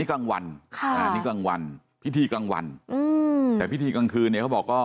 กลางวันนี่กลางวันพิธีกลางวันอืมแต่พิธีกลางคืนเนี่ยเขาบอกก็